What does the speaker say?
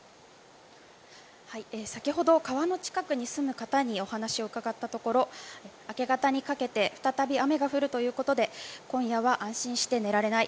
先ほど川の近くに住む方にお話を伺ったところ明け方にかけて再び雨が降るということで今夜は安心して寝られない。